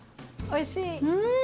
おいしい！